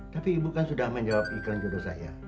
tapi ibu kan sudah menjawab iklan judul saya